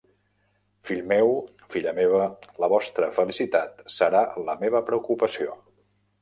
Fill meu, filla meva, la vostra felicitat serà la meva preocupació.